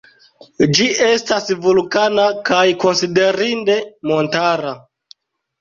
Ĝi estas vulkana kaj konsiderinde montara.